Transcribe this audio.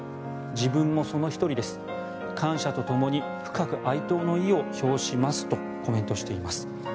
自分もその１人です感謝とともに深く哀悼の意を表しますとコメントしています。